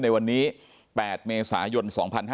ในวันนี้๘เมษายน๒๕๕๙